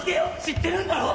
知ってるんだろ！？